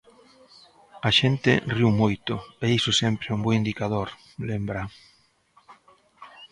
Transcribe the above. "A xente riu moito, e iso sempre é un bo indicador", lembra.